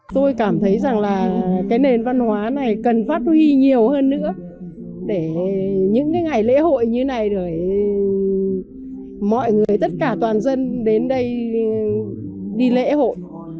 tôi cảm thấy rằng là cái nền văn hóa này cần phát huy nhiều hơn nữa để những cái ngày lễ hội như này rồi mọi người tất cả toàn dân đến đây đi lễ hội